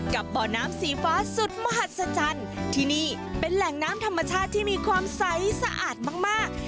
บ่อน้ำสีฟ้าสุดมหัศจรรย์ที่นี่เป็นแหล่งน้ำธรรมชาติที่มีความใสสะอาดมากมาก